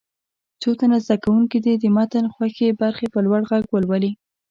څو تنه زده کوونکي دې د متن خوښې برخه په لوړ غږ ولولي.